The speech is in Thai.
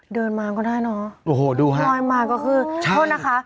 เดินมาก็ได้เนอะโอ้โหดูฮะลอยมาก็คือโทษนะคะ